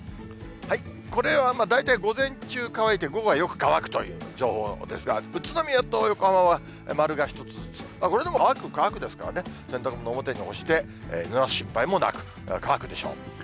これは大体、午前中乾いて、午後はよく乾くという情報ですが、宇都宮と横浜は丸が１つずつ、これでも乾く、乾くですからね、洗濯物、表に干してぬらす心配もなく、乾くでしょう。